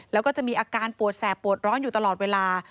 แล้วก็จะมีอาการปวดแสบปวดร้อนอยู่ตลอดเวลา